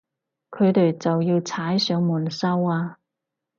佢哋就要踩上門收啊